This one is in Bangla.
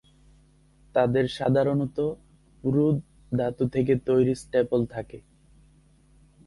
তাদের সাধারণত পুরু ধাতু থেকে তৈরি স্ট্যাপল থাকে।